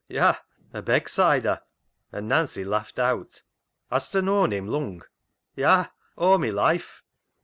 "Ya, — a Becksider," and Nancy laughed out. " Has ta known him lung? "" Ya, aw my life."